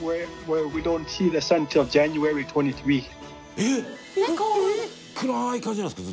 えっ？暗い感じなんですか？